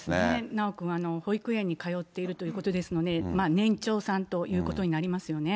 修くん、保育園に通っているということですので、年長さんということになりますよね。